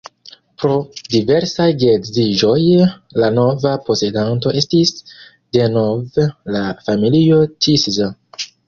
Pro diversaj geedziĝoj la nova posedanto estis denove la familio Tisza.